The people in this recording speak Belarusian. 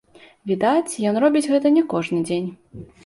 Відаць, ён робіць гэта не кожны дзень.